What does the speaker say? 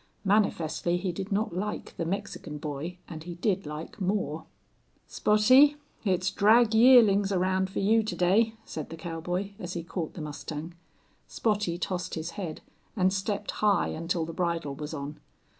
Manifestly he did not like the Mexican boy and he did like Moore. "Spottie, it's drag yearlings around for you to day," said the cowboy, as he caught the mustang. Spottie tossed his head and stepped high until the bridle was on.